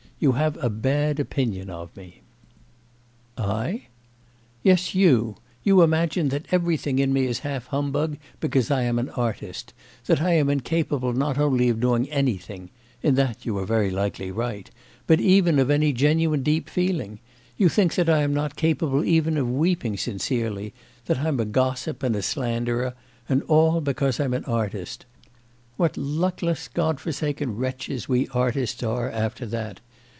You have a bad opinion of me.' 'I?' 'Yes you; you imagine that everything in me is half humbug because I am an artist, that I am incapable not only of doing anything in that you are very likely right but even of any genuine deep feeling; you think that I am not capable even of weeping sincerely, that I'm a gossip and a slanderer, and all because I'm an artist. What luckless, God forsaken wretches we artists are after that!